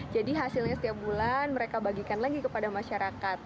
jadi hasilnya setiap bulan mereka bagikan lagi kepada masyarakat